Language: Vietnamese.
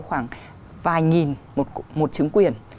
khoảng vài nghìn một chứng quyền